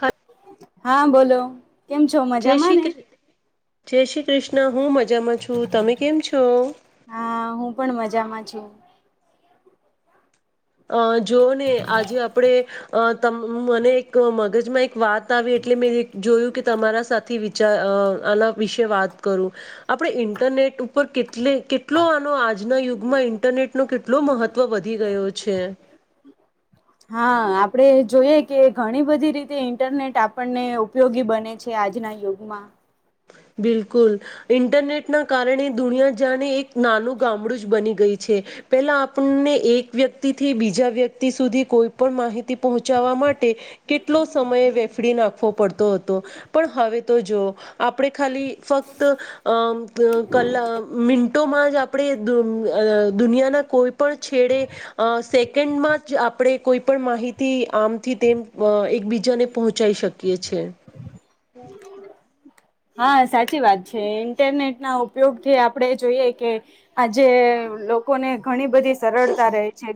હ હા બોલો કેમ છો જય મજામાં શ્રી ને ક જય શ્રી કૃષ્ણ હું મજામાં છું તમે કેમ છો જામ જુ અ જોઓને આજે આપણેે અ તમ મને એક મગજમાં એક વાત આવી એટલે મેં જોયું કે તમારા સાથે વિચાર આના વિશે વાત કરું આપણે ઇન્ટરનેટ ઉપ પર કેટ કેટલો આનો આજના યુગમાં ઇન્ટરનેટનો કેટલો મહત્વ વ વધી ગયો છે હા આપ આપણે જોઈએ કે ઘણી બધી રીતે ઇન્ટરનેટ આપણને ઉપયોગી બને છે આજના યુગમાં બિલકુલ ઇન્ટરનેટના કારણે દુનિયા જાણે એક નાનું ગામડું જ બની ગઈ છે પેલા આપણને એક વ્યક્તિથી બીજા વ્યક્તિ સુધી કોઈ પણ માહિતી પહોંચાવા માટે કેટલો સમય વેફડી નાખવો પડતો હતો પણ હવે તો જો આપણે ખાલી ફક્ત અ કલા મ ોમાં જ આપણે દુનિયાના કોઈ પણ છેડે સેકન્ડમાં જ આપણે કોઈ પણ માહિતી આમથી તેમ એકબીજાને પહોંચાઈ શકીએ છે હ હા સાચી વાત છે ઇન્ટરનેટ ના ઉપયોગથી આપડે જોઈએ કે આજે લોકોને ઘણી બધી સરળતા રહે છે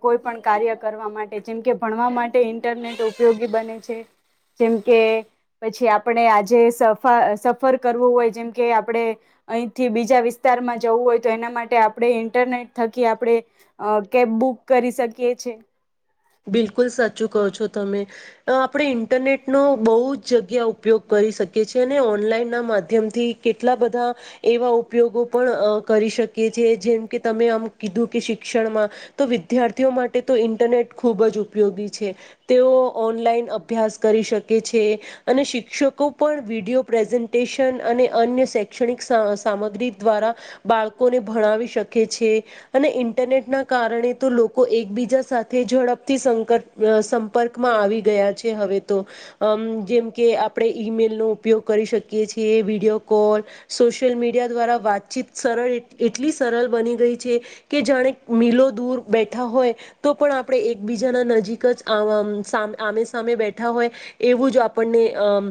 કોઈ પણ કાર્ય કરવા માટે જેમ કે ભણવા માટે ઇન્ટરનેટ ઉપયોગી બને છે જેમ કે પછી આપણે આજે સફર કરવું હોય જેમ કે આપણે અહીંથી બીજા વિસ્તારમાં જવું હોય તો એના માટે આપણે ઇન્ટરનેટ થકી આપણે કેબ બુક કરી શકીએ છે બિલકુલ સાચું કહો છો તમે આપણે ઇન્ટરનેટનો બહુ જ જગ્યા ઉપયોગ કરી શકીએ છીએ અને ઓનલાઈનના માધ્યમથી કેટલા બધા એવા ઉપયોગો પણ કરી શકીએ છી જેમ કે તમે આમ કીધું કે શિક્ષણમાં તો વિદ્યાર્થીઓ માટે તો ઇન્ટરનેટ ખૂબ જ ઉપ ઉપયોગી છે તેઓ ઓનલાઈન અભ્યાસ કરી શકે છે અને શિક્ષકો પણ વિડીિયો પ્રેઝન્ટેશન અને અન્ય શૈક્ષણિક સામગ્રી દ્વારા બાળકોને ભણાવી શકે છે અને ઇન્ટરનેટના કારણે તો લોકો એકબીજા સાથે તે ઝડપથી સંક સંપર્ક માં આવી ગયા છે હવે તો જેમકે આપણે ઈમેલનો ઉપયોગ કરી શકીએ છીએ વિડીિયો કોલ સોશિયલ મીડિયા દ્વારા વાતચીત સરળ એટલી સરળ બની ગઈ છે કે જાણે મિલો દૂર બેઠા હોય તો પણ આપ આપણે એકબીજાના નજીક જ આ આમે સામે બેઠા હોય એવું જ આપણને અમ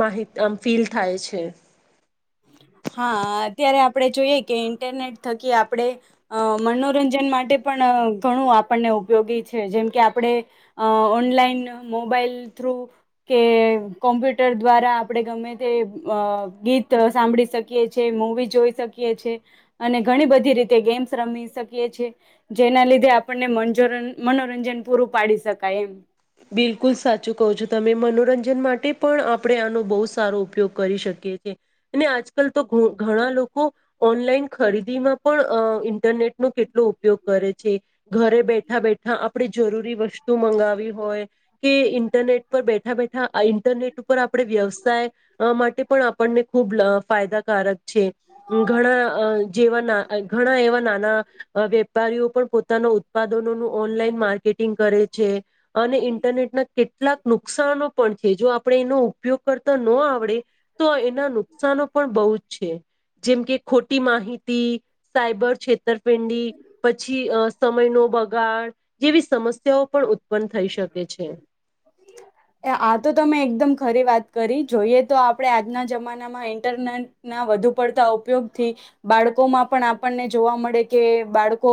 માહ ફીલ થાય છે હા અત્યારે આપણે જોઈએ કે ઇન્ટરનેટ થકી આપણે અ મનોરંજન માટે પણ ઘણું આપણને ઉપયોગી છે જેમ કે આપણે અ ઓનલાઈન મોબાઈલ થ્રુ કે કોમ્પ્યુટર દ્વારા આપણે ગમે તે ગીત સાંભળી શકીએ છ છેએ મૂવી જોઈ શકીએ છ છેએ અને ઘણી બધી રીતે ગેમ્સ રમી શકીએ છીએ જેના લીધે આપણને મજર મનોરંજન પૂરું પાડી શકે કાયમ બિલકુલ સાચું કહો છો તમે મનોરંજન માટે પણ આપણે આનો બહુ સારો ઉપયોગ કરી શકીએ છેએ અને આજકાલ તો ઘણા લોકો ઓનલાઈન ખરીદીમાં પણ અ ઇન્ટરનેટનો કેટલો ઉપયોગ કરે છે ઘરે બેઠા બેઠા આપણે જરૂરી વસ્તુ મંગાવી હોય કે ઇન્ટરનેટ પર બેઠા બેઠા ઇન્ટરનેટ ઉપર આપણે વ્યવસાય માટે પણ આપણને ખુબ ફાયદાકારક છે ઘણા જેવા ઘણા એવા નાના વેપારીઓ પણ પોતાના ઉત્પાદનોનું ઓનલાઈન માર્કેટિંગ કરે છે અને ઇન્ટરનેટના કેટલાક નુકસનો પણ છે જો આપ કણેેનું ઉપયોગ કરતા ન આવડે તો એના નુકસાનો પણ બહુ જ છે જેમ કે ખોટી માહિતી સાયબર ક્ષે ઉતરપિંડી પછી અ સમય ન બગાડ જેવી સમસ્યાઓ પણ ઉ આ તો તમે એકદમ ખરી વાત કરી જોઈએ તો આપણે આજના જમાનામાં ઇન્ટરનેટના વધુ પડતા ઉપયોગથી બાળકોમાં પણ આપણને જોવા મળે કે બાળકો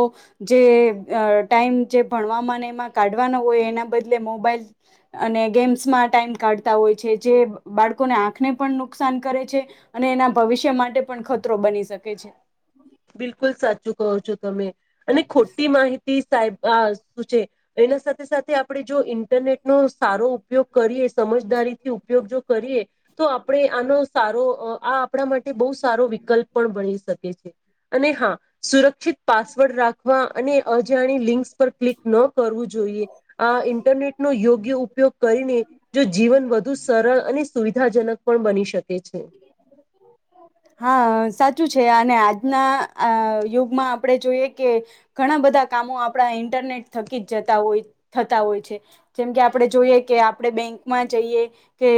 જે ટાઈમ જે ભણવામાં એમાં કાઢવાનો એના બદલે મોબાઈલ અને ગેમ્સમાં ટાઈમ કાઢતા હોય છે જે બાળકોને આંખને પણ નુકસાન કરે છે અને એના ભવિષ્ય માટે પણ ખતરો બની શકે છે બિલકુલ સાચું કહો છો તમે અને ખોટી માહિતી સાહેબ શું છે એના સાથે સાથે આપણે જો ઇન્ટરનેટનો સારો ઉપયોગ કરીએ સમજદારી થી ઉપયોગ જો કરીએ તો આપણે આનો સારો આ આપણા માટે બહુ સારો વિકલ્પ પણ મળ છે શકે છે અને હા સુરત િત પાસવર્ડ રાખવા અને અજાણી લિંક્સ પર ક્લિક ન કરવું જોઈએ આ ઇન્ટરનેટ નો યોગ્ય ઉપયોગ કરીને જો જીવન વધુ સરળ અને સુવિધાજનક પણ બની શકે છે હા સાચું છે અને આજના યુગમાં આપણે જોઈએ કે ઘણા બધા કામો આપણા ઈન્ટરનેટ થકી જ જતા હોય થતા હોય છે જેમકે આપણે જોઈએ કે આપણે બેંકમાં જઈએ કે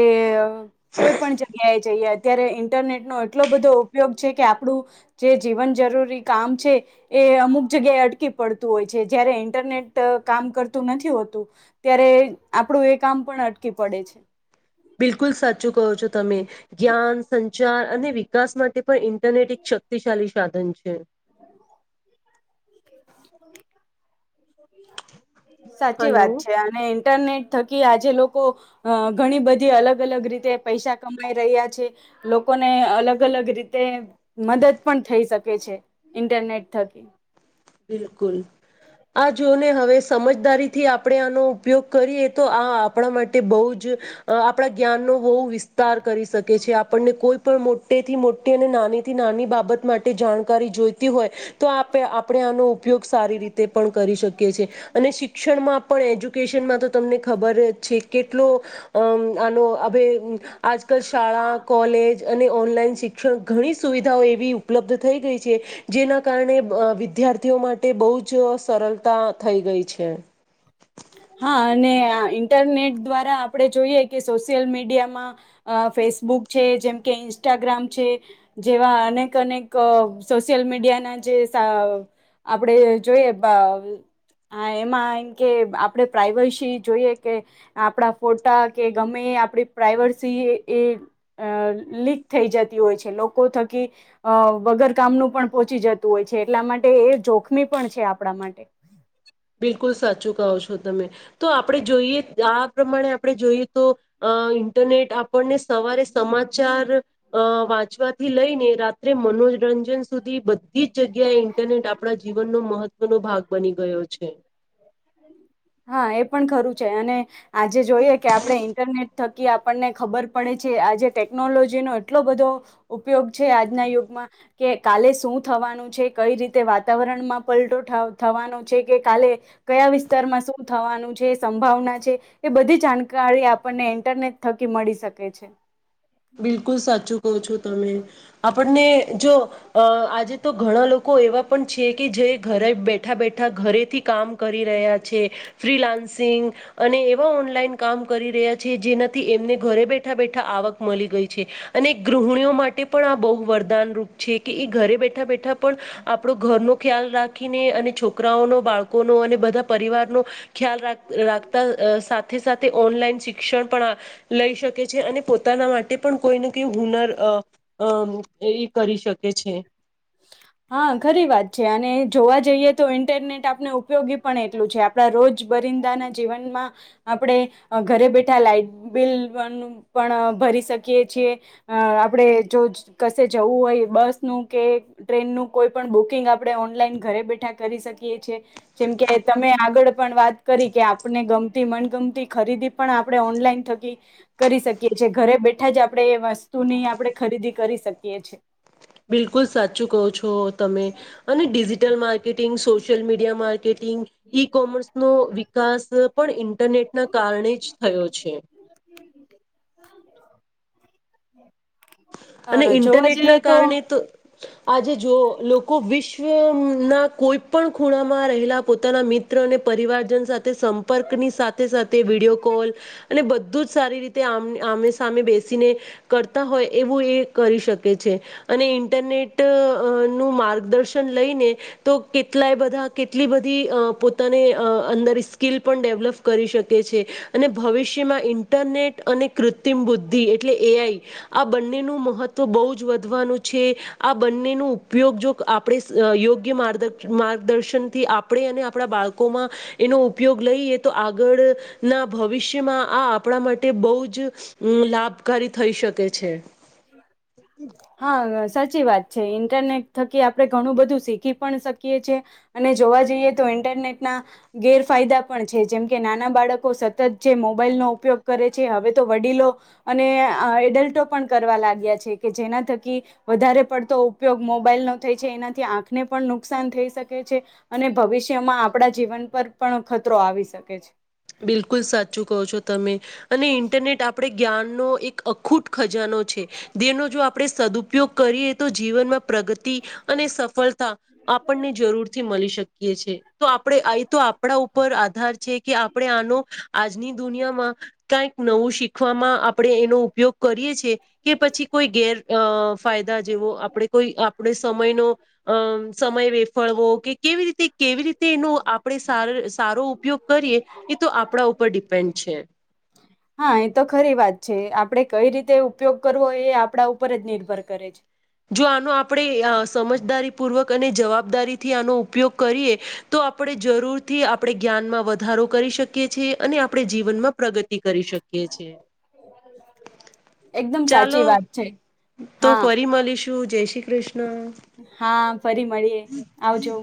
કોઈ પણ જગ્યાએ ત્યારે ઈન્ટરનેટ નો એટલો બધો ઉપયોગ છે કે આપણું જે જીવન જરૂરી કામ છે એ અમુક જગ્યાએ અટકી પડતું હોય છે જયારે ઇન્ટરનેટ કામ કરતું નથી હોતું ત્યારે આપણું એ કામ પણ અટકી પડે છે બિકુલ સચુ કો છો તમે જ્ઞાન સંચાર અને વિકાસ માટે પણ ઇન્ટરનેટ એક શક્તિશાળલી સાધન છે. [inaudible] સાચી હલો વાત છે અને ઇન્ટરનેટ થકી આજે લોકો અ ઘણી બધી અલગ અલગ રીતે પૈસા કમાઈ રહ્યા છે લોકોને અલગ અલગ રીતે. મદદ પણ થઈ શકે. છે ઇન્ટરનેટ થકી. બિલકુલ આ જોને હવે સમજદારીથી આપણે આનો ઉપયોગ કરીએ તો આ આપણા માટે બહુ જ આપણા જ્ઞાનનોો હોવ વિસ્તાર કરી શકે છે. આપણને કોઈ પણ મોટે થી મો. નાનીથી નાની બાબત માટે જાણકારી જોઈતી હોય તો આપ. આપણે આનો ઉપયોગ સારી રીતે પણ કરી શકીએ છીએ અને શિક્ષણમાં પણ એજુ. લોકેશનમાં તો તમને ખબર જ. કેટલો આનો આજકાલ શાળા કોલેજ અને ઓનલાઈન શિક્ષણ ઘણી સુવિધાઓ એવી ઉપલબ્ધ થઈ ગઈ છે જેના કારણે. વિદ્યાર્થીઓ માટે બહુ જ સરળતા થઈ ગઈ છે. હા અને ઇન્ટરનેટ દ્વારા આપણે જોઈએ કે સોશિયલ મીડિયામાં ફેસબુક છે જેમકે ઇન્સ્ટાગ્રામ છે જેવા અનેક અનેક સોશિયલ મીડિયાના જે આપણે જોઈએ એમાં એમ કે. આપણે પ્રઇવસી જોઈએ કે આપણા ફોટા કે ગમે આપડી પ્રઇવસી એ લીક થઈ જતી હોય છે લોકો થકી અ વગર કામનું પણ પહોંચી જતું હોય છે એટલા માટે એ જોખમી પણ છે આપણા માટે બિલકુલ સાચું કહો છો તમે તો આપણેે જોઈએ આ પ્રમાણે આપણે જોઈએ તો ઇન્ટરનેટ આપણને સવારે સમાચાર અ વાંચવાથી લઈને રાત્રે મનોરંજન સુધી બધી જગ્યાએ ઇન્ટરનેટ આપણા જીવનનો મહત્વનોો ભાગ બની ગયો છે. હા એ. એ પણ ખરું છે અને. આજે જોઈએ કે આપડણે ઇન્ટરનેટ થ. કે આપણને ખબર પડે છે આજે ટેકનોલોજીનોો એટલો બધો ઉપયોગ છે આજના યુગમાં કે કાલે શું. થવાનું છે કઈ રીતે વાતાવરણમાં પલટો થવાનો છે કે કાલે કયા વિસ્તારમાં શું થવાનું છે સંભાવના છે એ બધી જાણકારી આપણને ઇન્ટરનેટ થકી મળી શકે છે. બિલકુલ સાચું કહું છો. તમે આપણને જો. અ આજે તો ઘણા લોકો. એવા પણ છે કે જે બેઠા બેઠા ઘરેથી કામ કરી રહ્યા છે ફ્રીલાન્સિંગ અને એવા ઓનલાઈન. કામ કરી રહ્યા છે જેના. થી એમને ઘરે બેઠા બેઠા આવક. મળી ગઈ છે અને ગૃહિણીઓ માટે પણ આ બહુ વરદાનરૂૂપ છે કે એ ઘરે બેઠા બેઠા. પણ આપણો ઘરનો. ખ્યાલ રાખ. રાખીને અને છોકરાઓનો બાળકોનો અને બધા પરિવારનો. ખ્યાલ રાખ રાખતા સાથે સાથે ઓનલાઈન શિક્ષણ પણ લઈ શકે છે. જે અને પોતે. પોતાના માટે પણ કોઈને કઈ હુનર એ કરી શકે છે. હા ઘરી વાત છે અને જોવા જઈએ તો ઇન્ટરનેટ આપણે ઉપયોગી પણ એટલું છે આપણા રોજ બરિંદાના જીવનમાં આપણે ઘરે બેઠા લાાઈટ બિલ પણ ભરી શકીએ છીએ આપણેે જો કશે જવું હોય બસનું કે ટ્રેનનુંું કોઈ પણ બુકિંગ આપણે ઓનલાઈન ઘરે બેઠા કરી શકીએ છીએ જેમ કે તમે આગળ પણ વાત કરી કે આપને ગમતી મનગમતી ખરીદી પણ આપણે ઓનલાઈન થકી કરી શકીએ છેએ ઘરે બેઠા જ આપણે એ વસ્તુની આપણે ખરીદી કરી શકીએી બિલકુલ સાચું કહો છો તમે અને digital marketing social media marketing e commerce નું વિકાસ પણ ઇન્ટરનેટના કારણે જ થયો છે હ અને ઇન્ટરનેટ ના કારણે તો આજે જો લોકો વિશ્વ ના કોઈ પણ ખૂણામાં રહેલા પોતાના મિત્ર અને પરિવારજન સાથે સંપર્ક ની સાથે સાથે વિડીયો કોલ અને બધું જ સારી રીતે આમે સામે બેસીને કરતા હોય એ એ કરી શકે છે અને ઇન્ટરનેટ નું માર્ગદર્શન લઈને તો કેટલાય બધા કેટલી બધી પોતાને અંદર સ્કીિલ પણ ડેવલપ કરી શકે છે અને ભવિષ્યમાં ઇન્ટરનેટ અને કૃત્રિમ બુદ્ધિ એટલે એઆ આ બંનેનું મહત્ત્વ બહુ જ વધવાનું છે આ બંનેનો ઉપયોગ જો આપણે યોગ્ય મા માર્ગદર્શનથી આપણે અને આપણા બાળકોમાં એનો ઉપયોગ લઈએ તો આગળના ભવિષ્યમાં આ આપણા માટે બહુ જ લાભકારી થઈ શકે છે હા ગ સાચી વાત છે ઇન્ટરનેટ થકી આપણે ઘણું બધું શીખી પણ શકીએ છીએ અને જોવા જઈએ તો ઈન્ટરનેટના ગેરફાયદા પણ છે જેમ કે નાના બાળકો સતત જે મોબાઈલનોો ઉપયોગ કરે છે હવે તો વડીલો અને એડલ્ટ પણ કરવા લાગ્યા છે કે જેના થકી વધારે પડતો ઉપયોગ મોબાઈલ નો થઈ છે એનાથી આંખને પણ નુકસાન થઈ શકે છે અને ભવિષ્યમાં આપણા જીવન પર પણ ખતરો આવી શકે છે બિલકુલ સાચું કહો છો તમે અને ઇન્ટરનેટ આપણે જ્ઞાનનો એક અખૂટ ખજાનો છે દનો જો આપણે સદુપયોગ કરીએ તો જીવનમાં પ્રગતિ અને સફળતા આપણને જરૂર થી મળી શકે તો આપડણે આ તો આપણા ઉપર આધાર છે કે આનો આજની દુનિયામાં કક નવું શીખવામાં આપણે એનો ઉપયોગ કરીએ છેએ કે પછી કોઈ ગેર ફાયદા જેવો આપણે કોઈ આપણે સમયનો અમ સમય વેફળવો કે કેવી રીતે કેવી રીતે એનો આપણે સ સારો ઉપયોગ કરીએ એ તો આપણા ઉપર ડિપેન્ડ છે હા એ તો ખરી વાત છે આપડે કઈ રીતે ઉપયોગ કરવો એ આપણા ઉપર જ નિર્ભર કરે છે જો આનું આપણેે સમજદારીપૂર્વક અને જવાબદારીથી આનો ઉપયોગ કરીએ તો આપણે જરૂરથી આપણે જ્ઞાનમાં વધારો કરી શકીએ છીએ અને આપણે જીવનમાં પ્રગતિ કરી શકી એકદમ સાચી ચાલો વાત છે તો હા, ફરી મળી. શું જય શ્રી કૃષ્ણ. હા ફરી મળીએ આવજઉ.